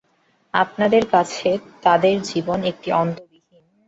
আপনাদের কাছে তাঁদের জীবন একটি অন্তহীন কঠোরতার নিদর্শন বলে মনে হবে।